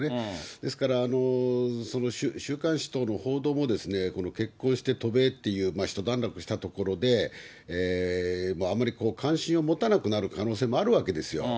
ですから、その週刊誌等の報道も、結婚して渡米っていうひと段落したところで、あまり関心を持たなくなる可能性もあるわけですよ。